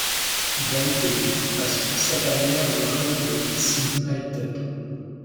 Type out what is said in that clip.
Gary Kelly passe toute sa carrière dans le club de Leeds United.